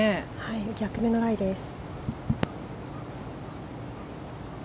逆目のライです。